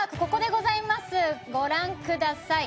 ご覧ください。